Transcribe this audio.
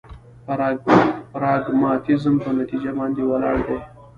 پراګماتيزم په نتيجه باندې ولاړ دی.